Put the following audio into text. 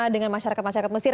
dengan masyarakat masyarakat mesir